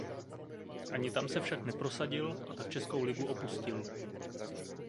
Ani tam se však neprosadil a tak českou ligu opustil.